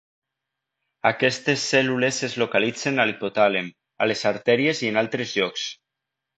Aquestes cèl·lules es localitzen a l'hipotàlem, a les artèries i en altres llocs.